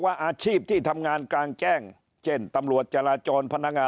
อาชีพที่ทำงานกลางแจ้งเช่นตำรวจจราจรพนักงาน